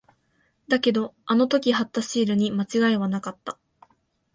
だけど、あの時貼ったシールに間違いなかった。